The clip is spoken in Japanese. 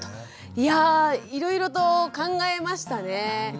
いやいろいろと考えましたね。